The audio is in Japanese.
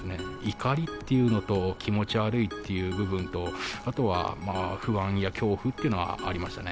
怒りっていうのと、気持ち悪いという部分と、あとは不安や恐怖っていうのがありましたね。